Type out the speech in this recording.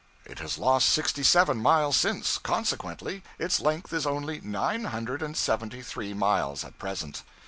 It has lost sixty seven miles since. Consequently its length is only nine hundred and seventy three miles at present.